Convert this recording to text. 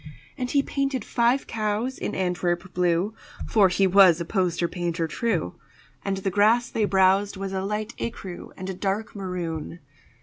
And he painted five cows in Antwerp blue (For he was a poster painter true), And the grass they browsed was a light écru And a dark maroon.